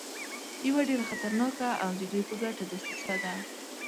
یوه ډېره خطرناکه او د دوی په ګټه دسیسه ده.